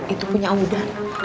itu punya uda